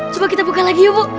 coba kita buka lagi yuk bu